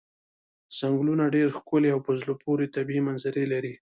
څنګلونه ډېرې ښکلې او په زړه پورې طبیعي منظرې لري.